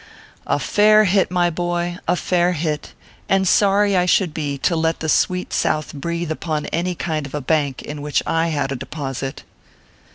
A fair hit, my boy a fair hit ; and sorry should I be to let the sweet South breathe upon any kind of a bank in which I had a deposit.